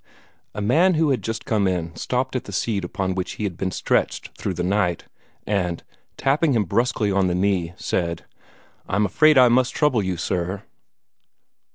A man who had just come in stopped at the seat upon which he had been stretched through the night, and, tapping him brusquely on the knee, said, "I'm afraid I must trouble you, sir."